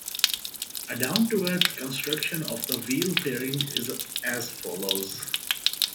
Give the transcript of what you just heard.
A down-to-earth construction of the Weil pairing is as follows.